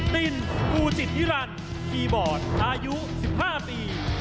ตินภูจิตนิรันดิคีย์บอร์ดอายุ๑๕ปี